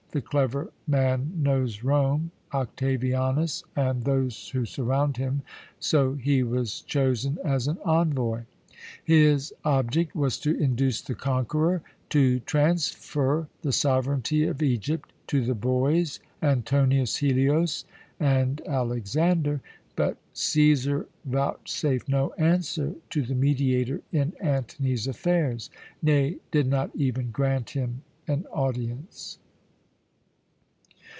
The clever man knows Rome, Octavianus, and those who surround him, so he was chosen as an envoy. His object was to induce the conqueror to transfer the sovereignty of Egypt to the boys Antonius Helios, and Alexander, but Cæsar vouchsafed no answer to the mediator in Antony's affairs nay, did not even grant him an audience.